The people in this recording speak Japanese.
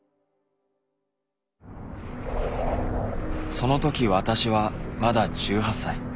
そのとき私はまだ１８歳。